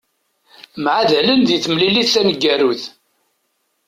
Mεadalen di temlilit taneggarut.